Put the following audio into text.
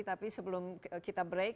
tapi sebelum kita mulai